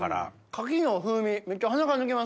牡蠣の風味めっちゃ鼻から抜けますね。